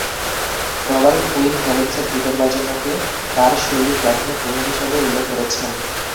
Robert Quine ভ্যালেন্সের guitar বাজানোকে তার শৈলীর প্রাথমিক প্রভাব হিসাবে উল্লেখ করেছেন।